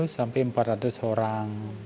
tiga ratus sampai empat ratus orang